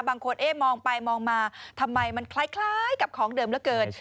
บางคนเอ๊ะมองไปมองมาทำไมมันคล้ายกับของเดิมเหลือเกิน